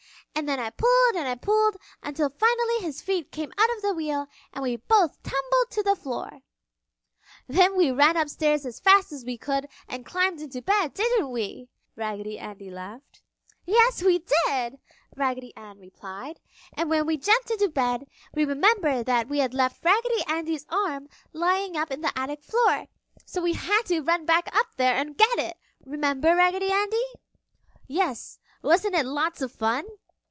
"And then I pulled and pulled until finally his feet came out of the wheel and we both tumbled to the floor!" "Then we ran downstairs as fast as we could and climbed into bed, didn't we!" Raggedy Andy laughed. [Illustration: Raggedy Ann sewing] "Yes, we did!" Raggedy Ann replied. "And when we jumped into bed, we remembered that we had left Raggedy Andy's arm lying up on the attic floor, so we had to run back up there and get it! Remember, Raggedy Andy?" "Yes! Wasn't it lots of fun?"